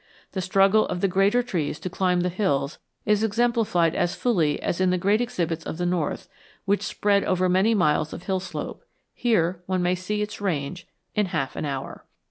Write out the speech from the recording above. The struggle of the greater trees to climb the hills is exemplified as fully as in the great exhibits of the north, which spread over many miles of hill slope; here one may see its range in half an hour.